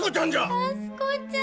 安子ちゃん。